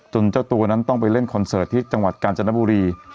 เจ้าตัวนั้นต้องไปเล่นคอนเสิร์ตที่จังหวัดกาญจนบุรี